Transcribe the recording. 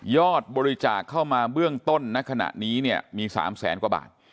ยอดบริจาคเข้ามาเบื้องต้นนักขณะนี้มี๓๐๐๐๐๐กว่าบาท